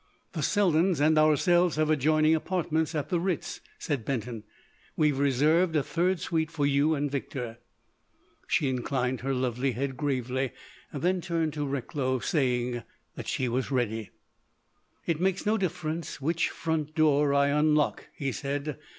"The Seldens and ourselves have adjoining apartments at the Ritz," said Benton. "We have reserved a third suite for you and Victor." She inclined her lovely head, gravely, then turned to Recklow, saying that she was ready. "It makes no difference which front door I unlock," he said.